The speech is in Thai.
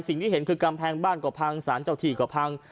สิ่งที่เห็นคือกำแพงบ้านก็พังสารเจ้าที่ก็พัง